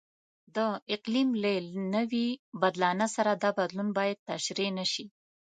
د اقلیم له نوي بدلانه سره دا بدلون باید تشریح نشي.